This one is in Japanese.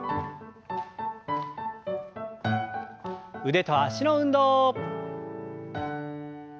腕と脚の運動。